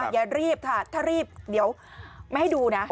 อย่ารีบค่ะถ้ารีบเดี๋ยวไม่ให้ดูนะ